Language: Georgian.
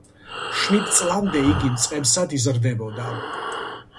შვიდ წლამდე იგი მწყემსად იზრდებოდა.